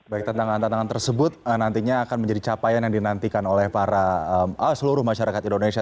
baik tantangan tantangan tersebut nantinya akan menjadi capaian yang dinantikan oleh para seluruh masyarakat indonesia